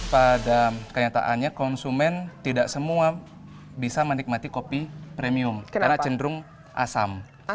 pada kenyataannya konsumen tidak semua bisa menikmati kopi premium karena cenderung asam